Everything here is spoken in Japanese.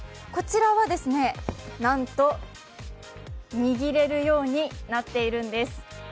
こちらは、なんと握れるようになっているんです。